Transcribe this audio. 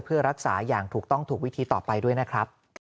เพื่อรักษาอย่างถูกต้องถูกวิธีต่อไปด้วยนะครับ